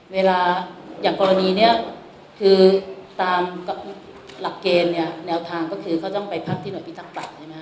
เวลาอย่างกรณีนี้คือตามหลักเกณฑ์เนี่ยแนวทางก็คือเขาต้องไปพักที่หน่วยพิทักษ์ป่าใช่ไหมค